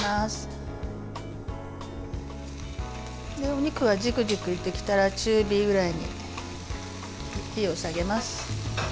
お肉がジュクジュクいってきたら中火ぐらいに火を下げます。